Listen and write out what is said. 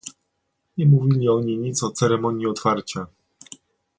Nie mówili oni nic o ceremonii otwarcia